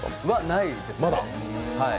ないですね。